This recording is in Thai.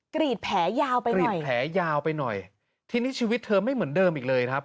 กรีดแผลยาวไปหน่อยที่นี่ชีวิตเธอไม่เหมือนเดิมอีกเลยนะครับ